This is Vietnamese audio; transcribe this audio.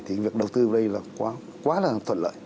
thì việc đầu tư ở đây là quá là thuận lợi